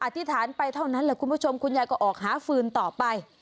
อธิษฐานไปเท่านั้นแหละคุณผู้ชมคุณยายก็ออกหาฟืนต่อไป